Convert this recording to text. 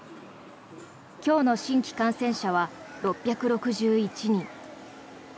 今日の新規感染者は６６１人。